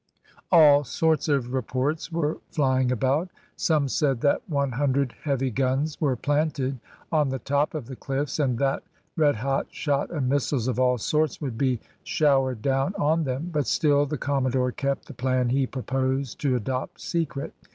All sorts of reports were flying about; some said that one hundred heavy guns were planted on the top of the cliffs, and that red hot shot and missiles of all sorts would be showered down on them, but still the commodore kept the plan he proposed to adopt secret.